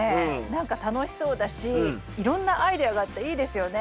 何か楽しそうだしいろんなアイデアがあっていいですよね。